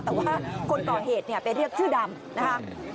แต่ว่าคนก่อเหตุไปเรียกชื่อดำนะคะ